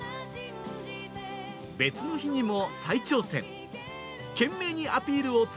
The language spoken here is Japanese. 別の日にも再挑戦。